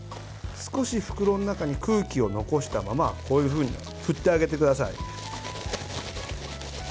少し袋の中に空気を残したままこういうふうに振ってあげてください。